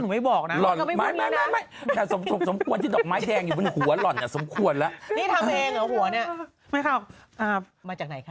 น้องมิวอุ้มหมาแล้วเขาบอกว่าน้องมิวอุ้มมดดอมทำไม